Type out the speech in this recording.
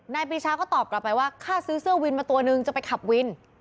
ปีชาก็ตอบกลับไปว่าค่าซื้อเสื้อวินมาตัวนึงจะไปขับวิน